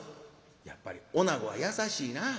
「やっぱりおなごは優しいな。